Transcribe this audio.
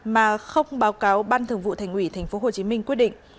mà không báo cáo ban thường vụ thành ủy tp hcm quyết định